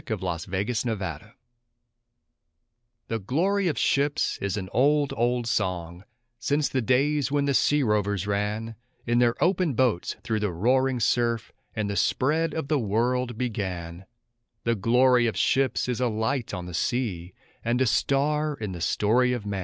THE GLORY OF SHIPS The glory of ships is an old, old song, since the days when the sea rovers ran In their open boats through the roaring surf, and the spread of the world began; The glory of ships is a light on the sea, and a star in the story of man.